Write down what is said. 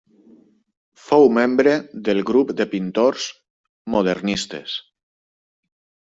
Fou membre del grup de pintors modernistes.